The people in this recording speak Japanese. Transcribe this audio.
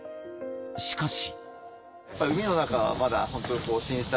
しかし。